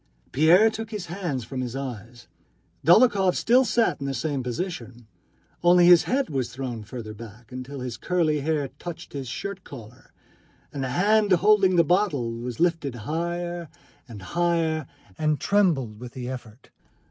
Pierre took his hands from his eyes. Dólokhov still sat in the same position, only his head was thrown further back till his curly hair touched his shirt collar, and the hand holding the bottle was lifted higher and higher and trembled with the effort.